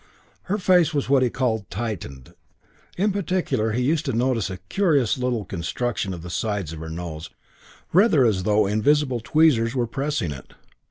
Her face what he called "tightened." In particular he used to notice a curious little constriction of the sides of her nose, rather as though invisible tweezers were pressing it.